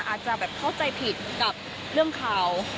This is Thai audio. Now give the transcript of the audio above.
อาจจะแบบเข้าใจผิดกับเรื่องข่าว